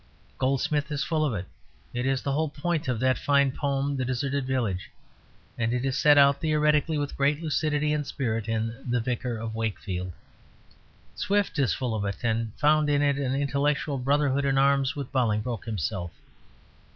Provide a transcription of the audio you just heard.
Goldsmith is full of it; it is the whole point of that fine poem "The Deserted Village," and is set out theoretically with great lucidity and spirit in "The Vicar of Wakefield." Swift is full of it; and found in it an intellectual brotherhood in arms with Bolingbroke himself.